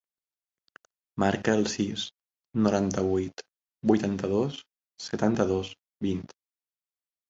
Marca el sis, noranta-vuit, vuitanta-dos, setanta-dos, vint.